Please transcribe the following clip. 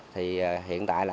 thì hiện tại là